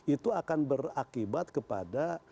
itu akan berakibat kepada